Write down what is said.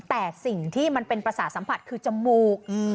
แต่สิ่งที่มันเป็นประสาทสัมผัสคือจมูก